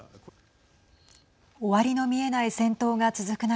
終わりの見えない戦闘が続く中